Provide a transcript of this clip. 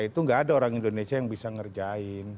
itu nggak ada orang indonesia yang bisa ngerjain